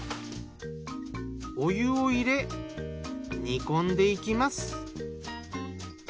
お湯を入れ煮込んでいきます。